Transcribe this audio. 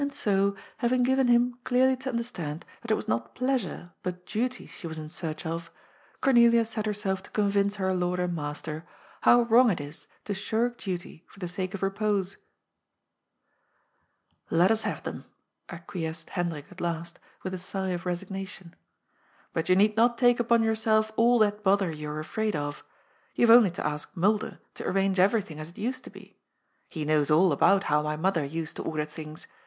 And so, having given him clearly to understand that it was not pleasure but duty she was in search of, Cornelia set herself to convince her lord and master how wrong it is to shirk duty for the sake of repose. THE BRIDE ASKS FOB FLOWERS. 183 " Let U8 have them," acquiesced Hendrik at last, with a sigh of resignation, ^^ but you need not take upon yourself all that bother you are afraid of. You have only to ask Mulder to arrange everything, as it used to be. He knows all about how my mother used to order things.